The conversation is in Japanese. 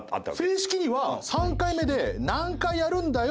正式には３回目で「何回やるんだよ！